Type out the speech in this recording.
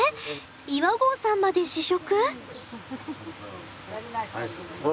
岩合さんまで試食？